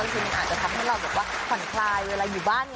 ที่มันอาจจะทำให้เราหวั่นคลายเวลาอยู่บ้าน